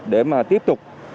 để mà tiếp tục